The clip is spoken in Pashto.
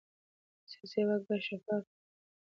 سیاسي واک باید شفاف وي